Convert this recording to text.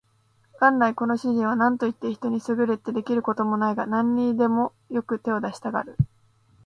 元来この主人は何といって人に優れて出来る事もないが、何にでもよく手を出したがる